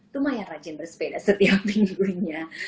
lumayan rajin bersepeda setiap minggunya